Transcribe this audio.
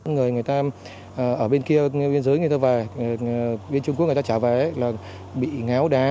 người người ta ở bên kia bên dưới người ta về bên trung quốc người ta trả vé là bị ngáo đá